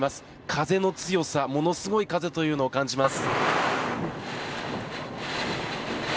風の強さものすごい風というのを感じます。